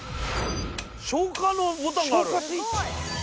消火のボタンがある。